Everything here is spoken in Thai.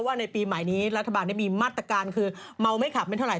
ว่าในปีใหม่นี้รัฐบาลมัตการณ์คือเมาไม่ขับไม่เท่าไหร่